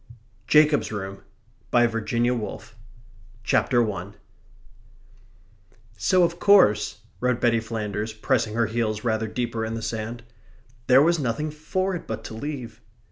Jacob's Room VIRGINIA WOOLF CHAPTER ONE "So of course," wrote Betty Flanders, pressing her heels rather deeper in the sand, "there was nothing for it but to leave."